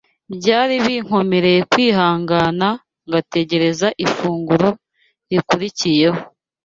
Byari binkomeyere kwihangana ngategereza ifunguro rikurikiyeho